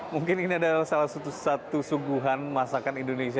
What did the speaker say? mungkin ini adalah salah satu satu suguhan masakan indonesia